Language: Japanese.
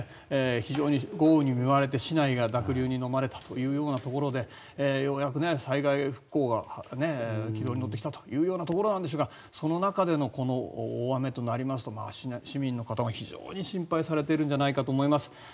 非常に豪雨に見舞われて市内が濁流にのまれたというところでようやく災害復興が軌道に乗ってきたというようなところですがその中でのこの大雨となりますと市民の方も非常に心配されているんじゃないかと思います。